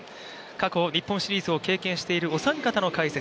過去日本シリーズを経験しているお三方の解説。